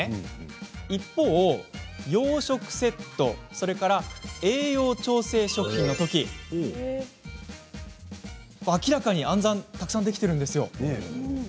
一方、洋食セットそして栄養調整食品のときは明らかに暗算がたくさんできています。